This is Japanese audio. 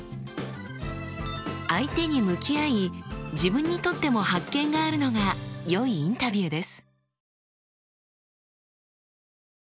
相手に向き合い自分にとっても発見があるのがよいインタビューです。